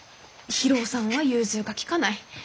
博夫さんは融通が利かない。